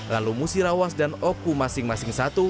lalu musirawas dan oku masing masing satu